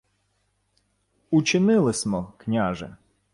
— Учинили смо, княже.